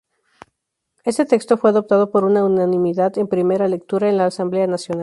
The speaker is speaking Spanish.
Este texto fue adoptado por unanimidad en primera lectura en la Asamblea nacional.